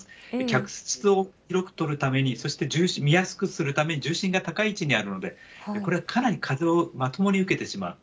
客室を広く取るために、そして見やすくするために、重心が高い位置にあるので、これはかなり風をまともに受けてしまう。